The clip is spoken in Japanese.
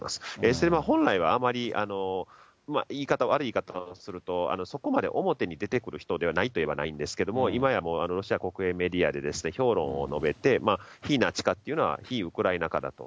それから本来は、あまり言い方、悪い言い方をすると、そこまで表に出てくる人ではないといえばないんですけど、いまやロシア国営メディアで評論を述べて、非ナチ化というのは、非ウクライナ化だと。